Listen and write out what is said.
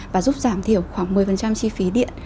và giúp giảm thiểu khoảng một mươi chi phí điện